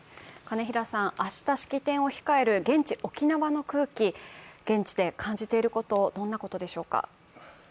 明日、式典を控える現地、沖縄の空気、現地で感じていること、どんなことでしょうか？